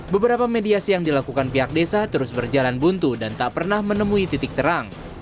beberapa mediasi yang dilakukan pihak desa terus berjalan buntu dan tak pernah menemui titik terang